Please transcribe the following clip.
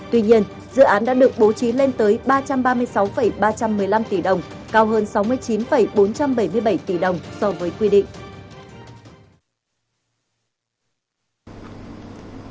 tuy nhiên dự án đã được bố trí lên tới ba trăm ba mươi sáu ba trăm một mươi năm tỷ đồng cao hơn sáu mươi chín bốn trăm bảy mươi bảy tỷ đồng so với quy định